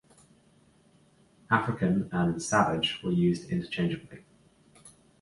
'African' and 'savage' were used interchangeably.